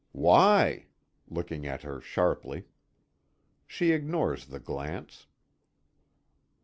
"Why?" looking at her sharply. She ignores the glance.